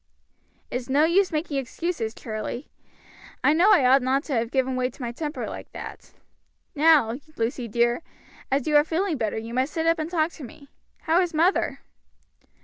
"It's no use making excuses, Charlie. I know I ought not to have given way to my temper like that. Now, Lucy dear, as you are feeling better, you must sit up and talk to me. How is mother?"